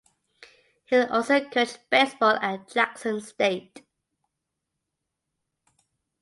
Hill also coached baseball at Jackson State.